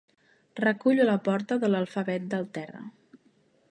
Recullo la porta de l'alfabet del terra.